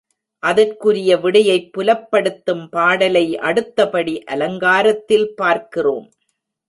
அதற்குரிய விடையைப் புலப்படுத்தும் பாடலை அடுத்தபடி அலங்காரத்தில் பார்க்கிறோம்.